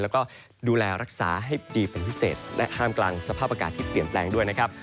แล้วก็ดูแลรักษาให้ดีเป็นพิเศษและท่ามกลางสภาพอากาศที่เปลี่ยนแปลงด้วยนะครับ